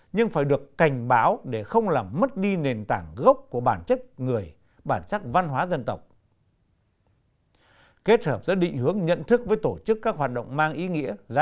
nhưng phải được cảnh báo để không làm mất đi nền tảng gương